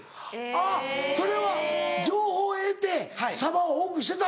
あっそれは情報を得てサバを多くしてたんだ。